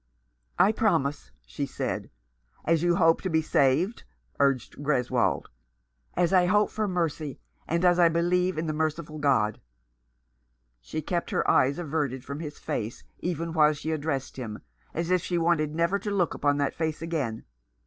" I promise," she said. "As you hope to be saved?" urged Greswold. "As I hope for mercy, and as I believe in a merciful God." She kept her eyes averted from his face, even while she addressed him, as if she wanted never 334 The Enemy and Avenger. to look upon that face again.